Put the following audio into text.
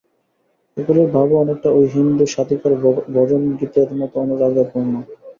এগুলির ভাবও অনেকটা ঐ হিন্দু-সাধিকার ভজনগীতের মত অনুরাগে পূর্ণ।